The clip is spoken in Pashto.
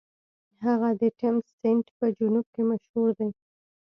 هغه د تیمس سیند په جنوب کې مشهور دی.